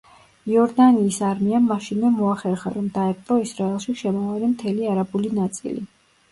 იორდანიის არმიამ მაშინვე მოახერხა, რომ დაეპყრო ისრაელში შემავალი მთელი არაბული ნაწილი.